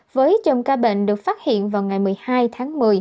với chầm ca bệnh được phát hiện vào ngày một mươi hai tháng một mươi